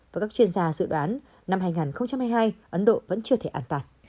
và các chuyên gia dự đoán năm hai nghìn hai mươi hai ấn độ vẫn chưa thể an toàn